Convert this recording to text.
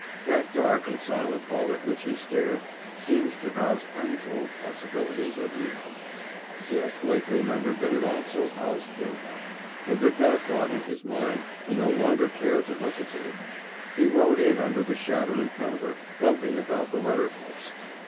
That dark and silent hull at which he stared seemed to house untold possibilities of evil. Yet Blake remembered that it also housed Binhart. And with that thought in his mind he no longer cared to hesitate. He rowed in under the shadowy counter, bumping about the rudder post.